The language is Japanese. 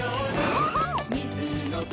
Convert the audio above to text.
そうそう！